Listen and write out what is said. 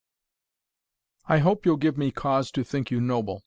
I hope you'll give me cause to think you noble.